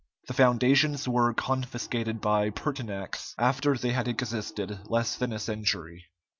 The foundations were confiscated by Pertinax, after they had existed less than a century.